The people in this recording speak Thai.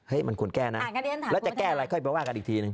ใครเข้าไปว่ากันอีกทีหนึ่ง